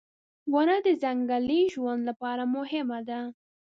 • ونه د ځنګلي ژوند لپاره مهمه ده.